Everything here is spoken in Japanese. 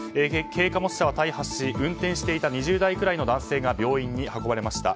軽貨物車は大破し運転していた２０代くらいの男性が病院に運ばれました。